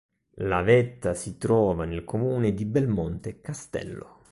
La vetta si trova nel comune di Belmonte Castello.